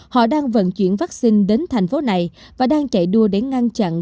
họ đang vận chuyển vaccine đến thành phố này và đang chạy đua để ngăn chặn